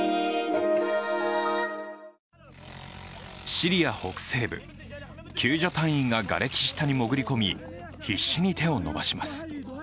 シリア北西部、救助隊員ががれき下に潜り込み、必死に手を伸ばします。